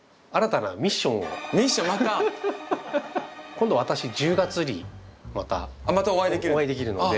今度私１０月にまたお会いできるので。